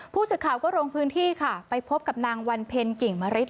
ผู้สื่อข่าวก็ลงพื้นที่ค่ะไปพบกับนางวันเพ็ญกิ่งมริต